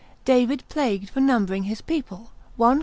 David plagued for numbering his people, 1 Par.